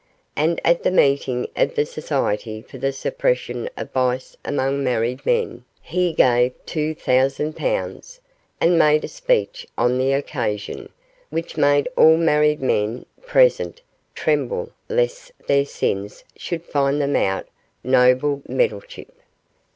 And at the meeting of the Society for the Suppression of Vice among Married Men he gave two thousand pounds, and made a speech on the occasion, which made all the married men present tremble lest their sins should find them out noble Meddlechip!